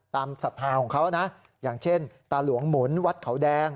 ศรัทธาของเขานะอย่างเช่นตาหลวงหมุนวัดเขาแดง